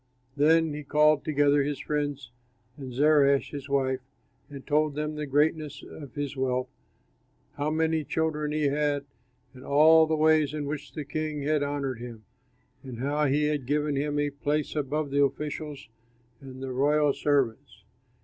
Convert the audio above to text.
Then he called together his friends and Zeresh, his wife, and told them the greatness of his wealth, how many children he had, and all the ways in which the king had honored him, and how he had given him a place above the officials and the royal servants.